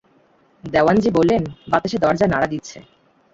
দেওয়ানজি বললেন, বাতাসে দরজা নাড়া দিচ্ছে।